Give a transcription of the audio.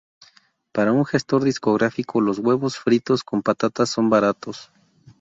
Para un gestor discográfico los huevos fritos con patatas son baratos